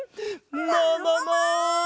ももも！